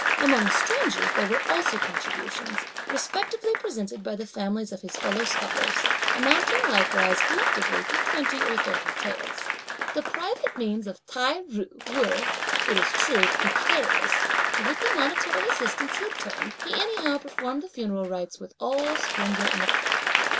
Among strangers, there were also contributions, respectively presented by the families of his fellow scholars, amounting, likewise, collectively to twenty or thirty taels. The private means of Tai ju were, it is true, precarious, but with the monetary assistance he obtained, he anyhow performed the funeral rites with all splendour and éclat.